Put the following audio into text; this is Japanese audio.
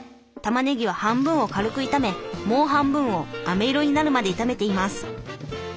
たまねぎは半分を軽く炒めもう半分をあめ色になるまで炒めています。